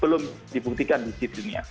belum dibuktikan di dunia